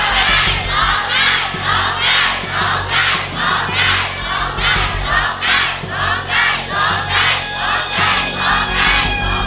รอบได้รอบได้